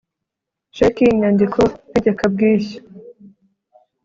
Sheki inyandiko ntegekabwishyu